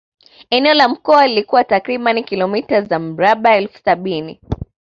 Eneo la mkoa lilikuwa takriban kilometa za mraba elfu sabini